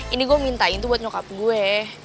ini gue minta itu buat nyokap gue